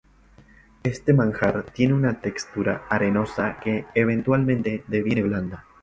Este manjar tiene una textura arenosa que eventualmente deviene blanda.